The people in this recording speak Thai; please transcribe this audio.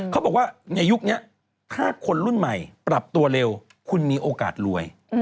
เขาบอกว่าในยุคนี้ถ้าคนรุ่นใหม่ปรับตัวเร็วคุณมีโอกาสรวย